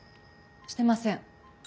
してません。